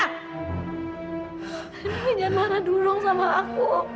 nenek nyamara durung sama aku